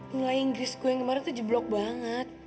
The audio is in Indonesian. mulai inggris gue yang kemarin tuh jeblok banget